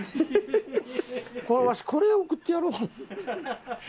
わしこれ贈ってやろう。